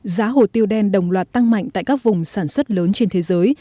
giá hồ tiêu đen đồng loạt tăng mạnh tại các vùng sản xuất lớn trên thế giới